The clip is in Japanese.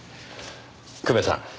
久米さん